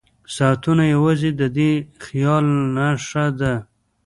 ساعتونه یوازې د دې خیال نښه ده.